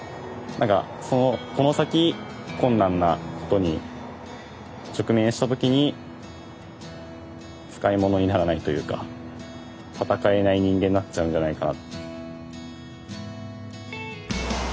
なんかこの先困難なことに直面した時に使い物にならないというか闘えない人間になっちゃうんじゃないかな。